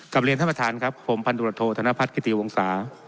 เรียนท่านประธานครับผมพันธุรโทษธนพัฒนกิติวงศา